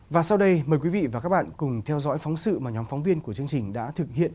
và sau đây mời quý vị và các bạn cùng theo dõi phóng sự mà nhóm phóng viên của chương trình đã thực hiện